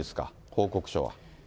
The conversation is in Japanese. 報告書は。